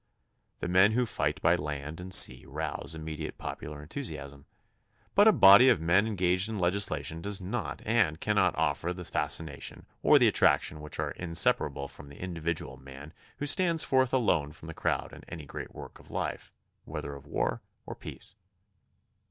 The men who fight by land and sea rouse im mediate popular enthusiasm, but a body of men en gaged in legislation does not and cannot offer the THE CONSTITUTION AND ITS MAKERS 63 fascination or the attraction which are inseparable from the individual man who stands forth alone from the crowd in any great work of life, whether of war or peace.